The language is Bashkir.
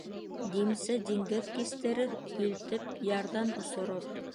Димсе диңгеҙ кистерер, илтеп ярҙан осорор.